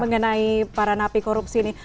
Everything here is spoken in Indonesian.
mengenai para napi korupsi ini